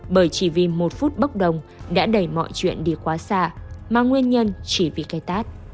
bởi chỉ vì một phút bốc đồng đã đẩy mọi chuyện đi quá xa mà nguyên nhân chỉ vì cây tát